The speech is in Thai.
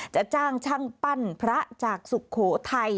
จะจ้างช่างปั้นพระจากสุโขทัย